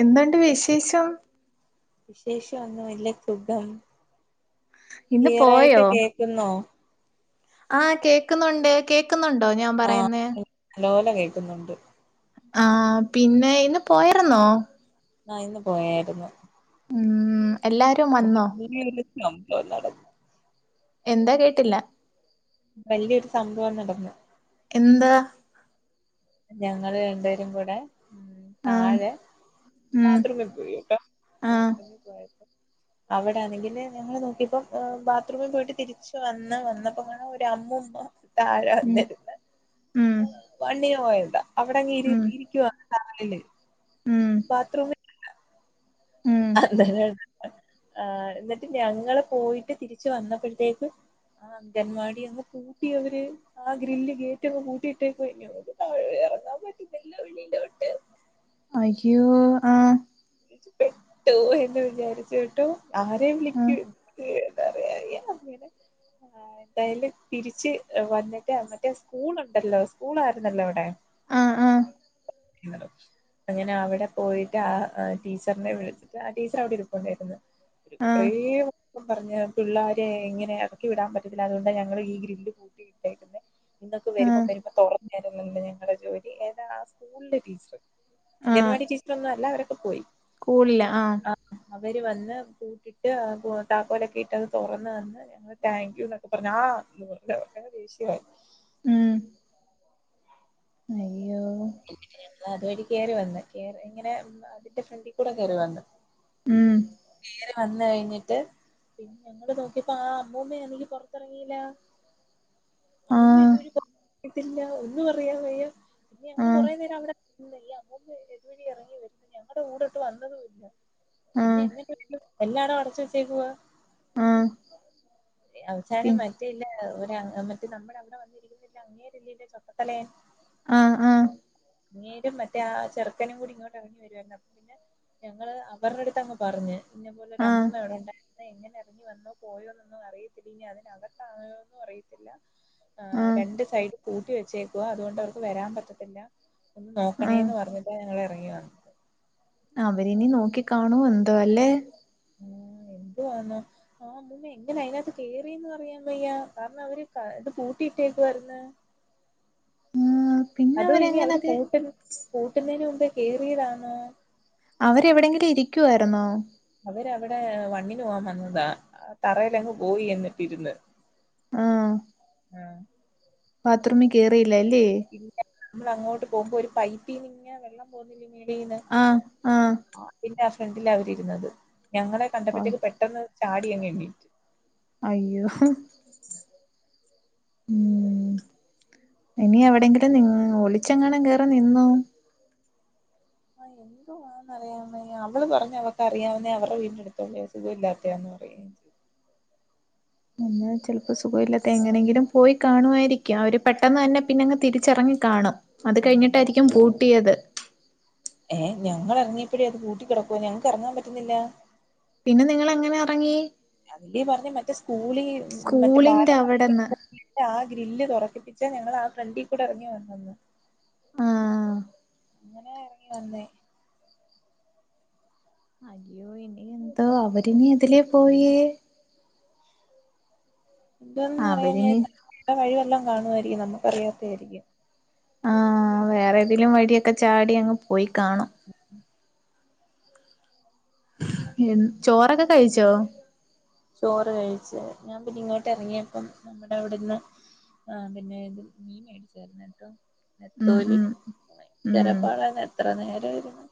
എന്തുണ്ട് വിശേഷം വിശേഷം ഒന്നും ഇല്ല സുഖം ഇന്ന് ക്ലിയർ പോയോ ആയിട്ട് കേൾക്കുന്നോ ആഹ് കേക്കുന്നുണ്ട് കേക്കുന്നുണ്ടോ ഞാൻ പറയുന്നേ നല്ലോ ല കേൾക്കുന്നുണ്ട് ആഹ് പിന്നെ ഇന്ന് പോയരുന്നോ ആഹ് ഇന്ന് പോയായിരുന്നു ഉം എല്ലാരും വന്നോ വലിയൊരു സംഭവം നടന്നു എന്താ കേട്ടില്ല വലിയൊരു സംഭവം നടന്ന് എന്താ ഞങ്ങളൾ രണ്ടുപേരും കൂടെ ഉം ആഹ് താഴെ ഉം ബാത്റൂമിൽ പോയിട്ടോ ആഹ് ബാത്റൂമിൽ പോയി അവിടെണെങ്കില് ഞങ്ങളൾ നോക്കിപ്പം ബാത്റൂമിൽ പോയിട്ട് തിരിച്ച് വന്ന് വന്നപ്പോ കാണാം ഒരു അമ്മുമ്മ താഴെ ഉം വന്നിരുന്ന് ഉം വണ്ടിയോ പോയത അവിടെ അങ്ങ് ഇരി ഉം ഇരിക്കൂവ കാലില് ഉം ബാത്റൂമിൽ ഉം [unintelligible] ആഹ് എന്നിട്ട് ഞങ്ങള് പോയിട്ട് തിരിച്ച് വന്നപ്പോഴത്തേക്ക് അംഗൻ വാടി അങ്ങ് പൂട്ടി അവര് ആഹ് ഗ്രില്ല് ഗേറ്റ് അങ് പൂട്ടിയിട്ടേക്കുവാ ഇനി ഞങ്ങൾ താഴെ ഇറങ്ങാൻ പറ്റത്തില്ല വെളിയിലോട്ട് അയോ ആഹ് പെട്ടു പോയി എന്ന് വിചാരിച്ചു കേട്ടോ ആരേ ആഹ് വിളിക്കും എന്ന് ആഹ് എന്തായാലും തിരിച്ച് വന്നിട്ട് മറ്റേ സ്കൂൾ ഉണ്ടല്ലോ സ്കൂൾ ആയിരുന്നല്ലോ അവിടെ ആഹ് ആഹ് അങ്ങനെ അവിടെ പോയിട്ട് ആഹ് ആഹ് ടീച്ചറിനെ വിളിച്ചിട്ട് ആ ടീച്ചർ അവിടെ ഇരിപ്പോണ്ടായിരുന്നു ആഹ് ഇത്രയും അപ്പോം പറഞ് പിള്ളേരെ ഇങ്ങനെ ഇറക്കി വിടാൻ പറ്റത്തില്ല അതുകൊണ്ട് ഞങ്ങള് ഈ ഗ്രില്ല് പൂട്ടിയിട്ടേക്കുന്നെ ഇങക്ക് ആഹ് ആഹ് വരുമ്പോം വരുമ്പോ തുറന്നു തരുന്നതല്ല ഞങ്ങളുടെ ജോലി ഏതാണ് ആ സ്കൂളിലെ ടീച്ചർ അംഗൻവാടി ടീച്ചറൊന്നും അല്ല അവരൊക്കെ പോയി സ്കൂളില ആഹ് അവര് വന്ന് പുട്ടിട് താക്കോലൊക്കെ ഇട്ട് അത് തുറന്ന് തന്ന് താങ്ക്യു എന്നൊക്കെ പറഞ്ഞ് ആ അങ്ങനെ ദേഷ്യമായി ഉം അയ്യോ അതുവഴി കേറി വന്നു ഇങ്ങനെ അതിന്റെ ഫ്രണ്ടിൽ കൂടെ കേറി വന്നു. ഉം കേറി വന്ന് കഴിഞ്ഞിട്ട് പിന്നെ ഞങ്ങള് നോക്കിയപ്പോ ആ അമ്മൂമ്മ അന്നെങ്കി. പുറത്തിറങ്ങില. അതൊന്നും ആഹ് ഇത് വഴി [inaudible] ത്തില്ല ഒന്ന് അറിയാൻ വയ്യ. ഇ ഞങ്ങൾ ആഹ് കുറേ നേരം അവിടെ നിന്ന് അമ്മൂന്ന് എത് വഴി ഇറങ്ങി വരുന്ന് ഞങ്ങളുടെ കൂടെ ഒട്ട് വന്നതും ഇല്ല പിന്നെ ആഹ് എങ്ങന എല്ലാരും അടച്ച വെച്ചേക്ക് വാ ആഹ് പി അവസാനം മറ്റേല്ല അവടെ മറ്റേ നമ്മുടെ അവിടെ വന്നിരിക്കുന്ന അങ്ങേരില്ലല്ലേ ചപ്പത്തലയൻ ആഹ ആഹ അങ്ങേരും മറ്റേ ആ ചെർക്കനും കൂടി ഇങ്ങോട്ട് ഇറങ്ങി വരുമായിരുന്നു അപ്പം പിന്നെ ഞങ്ങള് അവരുടെ അടുത്ത് അങ്ങ് പറഞ്ഞ് ഇന്ന പോലെരു ആഹ് അമ്മൂമ്മ ഇവിടെണ്ടായി എങ്ങനെ ഇറങ്ങി വന്നോ പോയോന്നൊന്നും അറിയത്തില്ല ഇനി അതിനകത്തായോന്നും അറിയത്തില്ല ആ ആഹ് രണ്ട് സൈഡ് കൂട്ടി വെച്ചേക്കുക അതുകൊണ്ട് അവർക്ക് വരാൻ പറ്റത്തില്ല ഒന്ന് ആഹ് നോക്കണേന്ന് പറഞ്ഞിട്ട് ഞങ്ങൾ എറങ്ങി വന്ന് അവരിനി നോക്കി കാണൂ എന്തോ അല്ലേ ആഹ എന്തുവാന്നോ ആഹ് അമ്മൂമ്മ എങ്ങനെ അതിനകത്ത് കേറീന്ന് അറിയാൻ വയ്യ കാരണം അവര് ഇത് പൂട്ടിയിട്ടേക്ക് വാരുന്ന് ആ പിന്നെ അതും ഇനി അവര് അവരെങ്ങനത് പൂട്ട പൂട്ടുന്നതിന് മുമ്പേ കേയറിയതാന്നോ അവരെവിടെങ്കിലും ഇരിക്കുവായിരുന്നോ അവരവിടെ വണ്ണിന് പോകാൻ വന്നതാ തറയിലങ്ങ് പോയി എന്നിട്ടിരുന്ന് ആഹ ബാത്രൂമി കേറിയില്ല അല്ലെ ഇല്ല നമ്മൾ അങ്ങോട്ട് പോകുമ്പോ ഒരു പൈപ്പീന്നിങ്ങനെ വെള്ളം പോന്നില്ലങേടി ആഹ ആഹ ഇല്ല ഫ്രണ്ടിലാ അവർ ഇരുന്നത് ഞങ്ങളെ ഓഹ് കണ്ടപ്പോഴത്തെക്ക് പെട്ടെന്ന് ചാടിയങ്ങ് എണ്ണീറ്റ് അയ്യോ ഉം ഇനി എവിടെയെങ്കിലും നി ഒളിച്ചെങ്ങാണ് കേറി നിന്നോ ആഹ എന്ത് റിയ നമ്മൾ പറഞ്ഞ അവക്ക് അറിയാവുന്നേ അവടെ വീടിന്റെടുത്തല്ലേ സുഖമല്ലാത്തെയന്ന് പറയും അ ചിലപ്പോൾ സുഖമില്ലാത്ത എങ്ങനെയെങ്കിലും പോയി കാണുവായിരിക്കാം അവർ പെട്ടെന്ന് തന്നെ പിന്നെങ്ങ് തിരിച്ചറങ്ങി കാണും അത് ആഹ് കഴിഞ്ഞിട്ടായിരിക്കും പൂട്ടിയത് ഏഹ ഞങ്ങൾ എറങ്ങിയപ്പഴേ അത് പൂട്ടി കിടക്കുവ ഞങ്ങക്ക് എറങ്ങാൻ പറ്റുന്നില്ല പിന്നെ നിങ്ങൾ എങ്ങനെ ഇറങ്ങി അതല്ലേ പറഞ്ഞെ മറ്റേ സ്കൂളി മറ്റേ സ്കൂളിന്റെ ബാലഭവനിലെ അവടന്ന് ആ ഗ്രില്ല് തുറക്കിപ്പിച്ചാ ഞങ്ങൾ ആ ഫ്രണ്ടിൽ കൂടെ ഇറങ്ങി വന്നന്ന് ആഹ് അങ്ങനെ ഇറങ്ങി വന്നേ അയ്യോ ഇനി എന്താ അവരിനി എതിലേ പോയി ഇതൊന്നും അറിയാൻ അവരിനി വയ്യാതെ ഊണ്ട വഴി വല്ലോം കാണു വായിരിക്കും നമുക്ക് അറിയാത്തെ ആയിരിക്കും ആഹ വേറെ ഏതേലും വഴിയൊക്കെ ചാടി അങ്ങ് പോയി കാണും ഉം ചോറൊക്കെ കഴിച്ചോ? ചോറ് കഴിചേ ഞാൻ പിന്നെ ഇങ്ങോട്ട് ഇറങ്ങിയപ്പം നമ്മുടെ അവിടെന്ന് ആ പിന്നെ ഇത് മീൻ മേടിചാർന്ന് കേട്ടോ ഉം നത്തോലി ഉം ഉം ഭയങ്കര പാടപ്പായിർന്നു എത്ര നേരം ഇരുന്ന്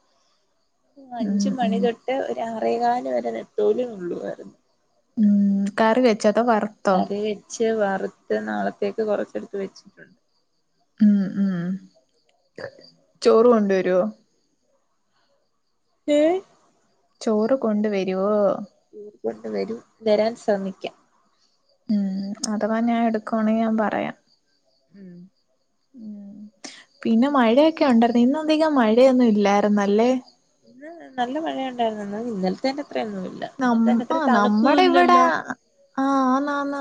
ഉം അഞ്ച് ഉം മണി തൊട്ട് ഒരു ആറേക്കാല് വരെ നത്തോലി നുള്ളുവായിരുന്നു ഉ കറി വച്ചതോ വർ കറി വെച്ച് വറുത്ത് നാളത്തേക്ക് കൊറച്ചെടുത്ത് വെച്ചിട്ടുണ്ട് ഉം ഉം ചോറ് കൊണ്ട്വരുവോ? [inaudible] ചോറ് കൊണ്ടുവരുവോ? കൊണ്ട വരും. വരാൻ ശ്രമിക്കാം. ഉം അഥവാ ഞാൻ എടുക്കുവാണെ ഞാൻ പറയാം. ഉം. പിന്നെ മഴയൊക്കെ ഉണ്ടായിരുന്നു ഇന്ന അധികം മഴയൊന്നും ഇല്ലായിുന്നല്ലേ? ഇന്ന് നല്ല മഴയ ഉണ്ടായിരുന്നെന്നാ ഇന്നലത്തെന്റത്രേംയൊന്നുല്ല. നമ്മ് ആ നമ്മടെ ഇവിടെ ആഹന്നന്ന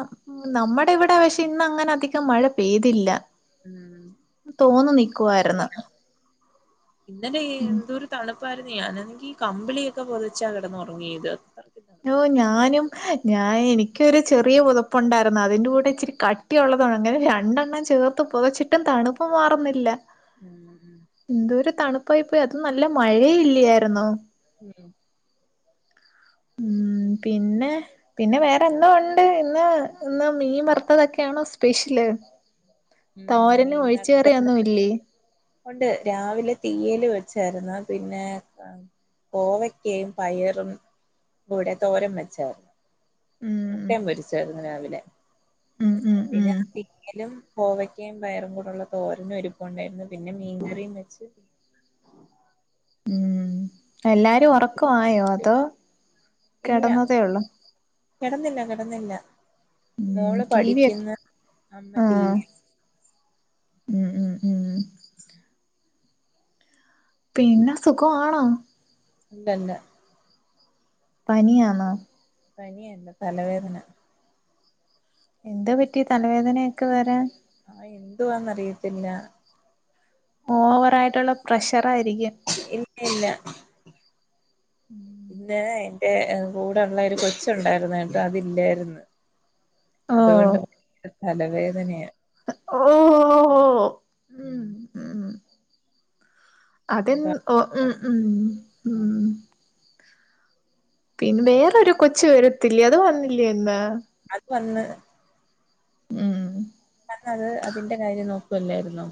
നമ്മുടെ ഇവിടെ പക്ഷെ ഇന്ന അങ്ങനെ അധികം മഴ പെയ്തില്ല. ഉം തോന്നു നിക്കുവായിരുന്നു. ശരിയാ ഇന്നലെ എന്തൊരു തണുപ്പാരുന്നു. ഞാനെണങ്കി കമ്പിളിയൊക്കെ പൊതച്ചാ കിടന്നൊറങ്ങിയത്. യ്യോ ഞാനും ഞാൻ എനിക്കൊരു ചെറിയ പുതപ്പുണ്ടാരുന്നു അതിന്റെ കൂടെ ഇച്ചിരി കട്ട് കട്ടിയൊള്ളതാണ് അങ്ങനെ രണ്ടെണ്ണം ചേർത്തുപൊതച്ചിട്ടും തണുപ്പുമാറുന്നില്ല ഉം എന്തൊരു തണുപ്പായിപ്പോയി അതും നല്ല മഴേയില്ലായിരുന്നോ ഉം ഉം പിന്നെ പിന്നെ വേറെന്തോഉണ്ട് ഇന്ന് ഇന്ന് മീൻ വറുത്തതൊക്കെയാണോ സ്പെഷ്യല് ഉം തോരനും മീൻ വറുത്തേ ഒഴിച്ചുകറിയൊന്നും ഇല്ലേ ഒണ്ട് രാവിലെ തീയല് വെച്ചാരുന്നു പിന്നെ കോവക്കയും പയറും കൂടെ തോരൻ വെച്ചാരുന്നു ഉം മൊട്ടേം പൊരിച്ചായിരുന്നു രാവിലെ ഉം ഉം പിന്നെ ഉം തീയലും കോവയ്ക്കയും പയറും കൂടെയുള്ള തോരനും ഇരുപ്പുണ്ടായിരുന്നു പിന്നെ മീൻകറിയും വെച്ച് ഉം എല്ലാരും ആൾക്ക് ഉറക്കമായോ അതോ ഇല്ല കിടന്നതേയുള്ളോ കിടന്നില്ല കിടന്നില്ല ഉം മോള് ടി വി ഒക്കെ പഠിക്കുന്നു അമ്മ ടിവി ആഹ് ഉം ഉം ഉം പിന്നെ സുഖമാണോ [unintelligible] പനിയാണോ പനിയല്ല തലവേദന എന്താ പറ്റിയേ തലവേദനയൊക്കെ വരാൻ ആ എന്തുവാന്നറിയത്തില്ല ഓവറായിട്ടുള്ള പ്രഷറായിരിക്കും ഇല്ല ഇല്ല [inaudible] പിന്നെ എന്റെ കൂടെയുള്ള ഒരു കൊച്ചുണ്ടായിരുന്നു കേട്ടോ അതില്ലായിരുന്നു ഓഹ് അതുകൊണ്ട് തലവേദനയാ ഓഹ് [inaudible] അതെന് അതാ ഓ ഉം ഉം ഉം പിന്നെ വേറൊരു കൊച്ചുവരത്തില്ലേ അത് വന്നില്ലേയിന്ന് അതുവന്ന് ഉം വന്നത് അതിന്റെ കാര്യം നോക്കുവല്ലായിരുന്നോ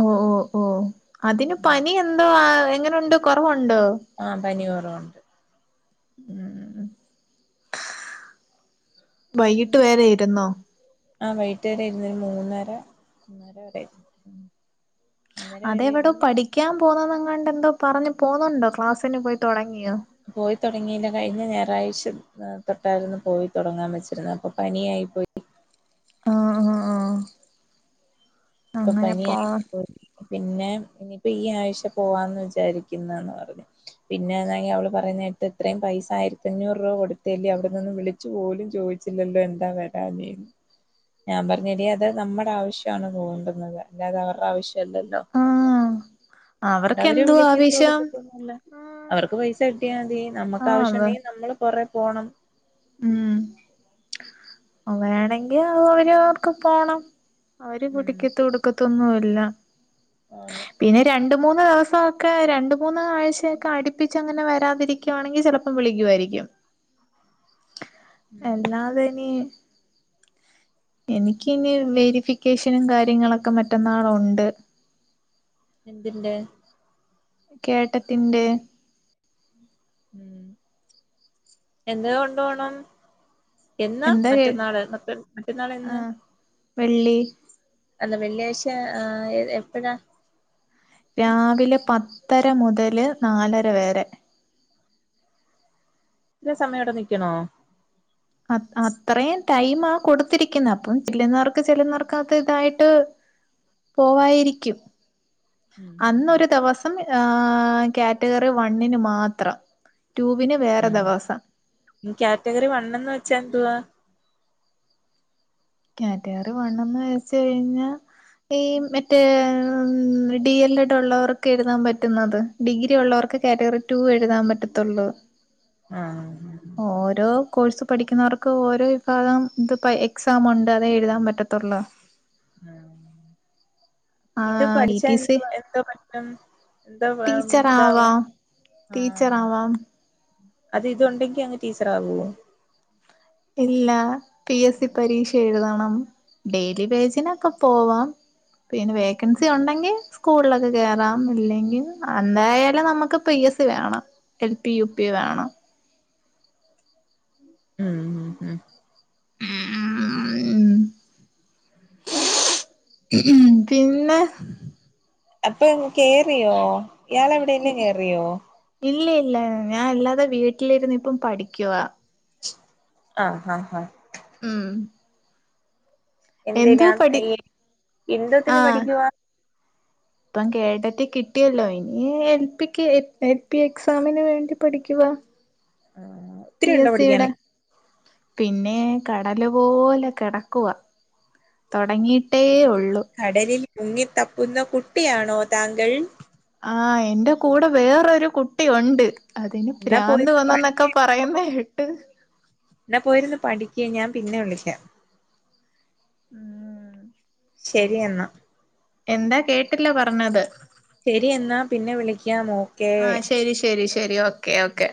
ഓ ഓ ഓ അതിന് ഉം പനി എന്തോ ആ എങ്ങനൊണ്ട് കൊറവൊണ്ടോ ആം പനികൊറവൊണ്ട്. ഉം വൈകിട്ടു വരെയിരുന്നോ ആ വൈട്ട് വരെയിരുന്നു മൂന്നര മൂന്നരവരെയിരുന്നു അതെവിടോ പഠിക്കാൻ പോണൊന്നെങ്ങാണ്ടു എന്തോ പറഞ്ഞ് പോന്നൊണ്ടോ ക്ലാസ്സിന് പോയിതൊടങ്ങിയോ പോയിത്തൊടങ്ങിയില്ല കഴിഞ്ഞ ഞായറാഴ്ച തൊട്ടായിരുന്നു പോയിതൊടങ്ങാൻ വെച്ചിരുന്നത് അപ്പൊ പനിയായി പോയി ആ ഹ ആ ഇപ്പൊ പനിയായി പോയി പിന്നെ ഇനിയിപ്പോ ഈ ആഴ്ച പോവാന്നു വിചാരിക്കുന്നെന്ന് പറഞ്ഞു പിന്നെയിതാണെങ്കി അവളു പറഞ്ഞിട്ടിത്രയും പൈസ ആയിരത്തഞ്ഞൂറ് രൂപ കൊടുത്തയല്ലേ അവിടെനിന്നും വിളി ഓലും ചോയ്ച്ചില്ലല്ലോ എന്താ വരാന്നെന്ന്. ഞാൻ പറഞ്ഞ് എടീ അത് നമ്മടെ ആവശ്യമാണ് തോണ്ടുന്നത് അല്ലാതെ അവരുടെ ആവശ്യല്ലല്ലോ ആ ഒണ്ട് അവര് വിളിക്കത്തു എടുക്കത്തൊന്നുമില്ലാ ആഹ് അവർക്ക് പൈസ കിട്ടിയാമതി നമുക്ക് ആഹ് അതെ ആവശ്യണ്ടെങ്കി നമ്മള് പൊറേപോണം. ഉം വേണെങ്കി അവരോർക്ക് പോണം അവര് ഉം കുടിക്കത്തൊടു ക്കക്കൊന്നുല്ലൃ ആതെ പിന്നെ രണ്ടുമൂന്ന് ദിവസൊക്കെ രണ്ടുമൂന്ന് ആഴ്ചയൊക്കെ അടുപ്പിച്ചങ്ങനെ വരാതിരി ക്കുവാണെങ്കി ചിലപ്പം വിളിക്കുവാരിക്കും ഉം അല്ലാതിനി എനിക്ക് ഇനി വെരിഫിക്കേഷനും കാര്യങ്ങളൊക്കെ മറ്റന്നാളെ ഉണ്ട്. എന്തിന്റെ? കേട്ടറ്റിന്റെ. ഉം എന്തോക്കെ കൊണ്ട് പോണം? എന്നാ എന്താ കേ മറ്റന്നാളെ മറ്റ മറ്റന്നാളെന്ന്. ആഹ് വെള്ളി അല്ല വെള്ളിയാഴ് ആ എപ്പഴാ? രാവിലെ പത്തര മുതല് നാലര വരെ. ഇത്രേം സമയവിടെ നിക്കണോ? അത്ത് അത്രേം ടൈമാ കൊടുത്തിരിക്കുന്നെ അപ്പം ചെല്ലുന്നാർക്ക് ചെുന്നാർക്ക് ഇതായിട്ട്. പോവായിരിക്കും. ഉം ഉം അന്നൊരു ദിവസം ആ കാറ്റഗറി വണ്ണിന് മാത്രം. ടൂവിന് വേറെ ഉം ദിവസം. കാറ്റഗറി വണെന്ന് വെച്ചാ ന്തുവാ? കാറ്റഗറി വണ്ണന്ന് വെച്ച് കഴിഞ്ഞാ ഈ മറ്റേ ഡി എൽ എഡ് ഉള്ളവർൊക്കെ എഴുതാൻ പറ്റുന്നത്. ഡിഗ്രി ഉള്ളവർക്ക് കാറ്റഗറി ടു എഴുതാൻ പറ്റത്തുള്ളൂ. ആഹ് ഓരോ കോഴ്സ് പഠിക്കുന്നവർക്ക് ഓരോ വിഭാഗം ഇത്പ്പോ എക്സാമുണ്ട് അതെഴുതാൻ പറ്റത്തുള്ളൂ. [inaudible] ആ ഇത് ടി പഠിച്ചാ ടി സി എന്തോ എത്താ പറ്റും? ന്തവ ടീച്ചർ എന്താവ ആവാം ടീച്ചർ ആഹ് ആവാം അത് ഇതുണ്ടെങ്കി അങ്ങ് ടീച്ചർ ആവോ ഇല്ല പി എസ് സി പരീക്ഷ എഴുതണം. ഡെയിലി വെജിനൊക്കെ പോവാം. പിന്നെ വേക്കൻസി ഉണ്ടെങ്കി സ്കൂളിലൊക്കെ കേയറാം ഇല്ലെങ്കിൽ എന്തായാലും നമുക്ക് പി എസ് സി വേണം. എൽ പി യു പി വേണം. ഉം ഉം ഉം ഉം ഉം ഹ് പിന്നെ. എത്ത ങ്ങൾ കേറിയോ ഇയാളെവിടേലും കേറിയോ ഇല്ലയില്ല ഞാൻ അല്ലാതെ വീട്ടിലിരുന്നിപ്പം പഠിക്കുവാ ആഹ് അഹ് ആ ഉം എന്തിന എന്തോ പഠി ഈ എന്തോത്തിന് ആഹ് പഠിക്ക? ഇപ്പം കേട്ടറ്റ് കിട്ടിയല്ലോ ഇനി എൽ പിക്ക് എൽ പി എക്സാമിന് വേണ്ടി പഠിക്കുകവ ഒത്തിരി പി ഉണ്ടോ എസ് സിടെ പഠിക്കാന് പിന്നെ കടല് പോലെ കെടക്കുവ തുടങ്ങിയിട്ടേ ഒള്ളു. കടലിൽ മുങ്ങി തപ്പുന്ന കുട്ടിയാണോ താങ്കൾ? ആ എന്റെ കൂടെ വേറൊരു കുട്ടി ഒണ്ട് അതിന് എന്നാ പോയി പ്രാന്ത് പഠി വന്നന്നൊക്കെ പറയുന്നെ കേട്ടു ന്നാ പോയിരുന്ന് പഠിക്ക് ഞാൻ പിന്നെ വിളിക്കാ ഉം ശെരി എന്നാ എന്താ കേട്ടില്ല പറഞ്ഞത് ശെരി എന്നാ പിന്നെ വിളിക്കാമോ ആ ശെരി ശെരി ശെരി ഓക്കെ ഓക്കെ